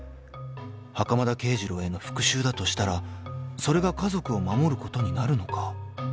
［袴田啓二郎への復讐だとしたらそれが家族を守ることになるのか？］